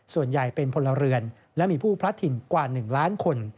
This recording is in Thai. ส่วนใหญ่เป็นพลเรือนและมีผู้พลัดถิ่นกว่า๑ล้านคน